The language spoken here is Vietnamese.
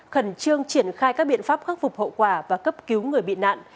khẩn trương triển khai các biện pháp khắc phục hậu quả và cấp cứu người bị nạn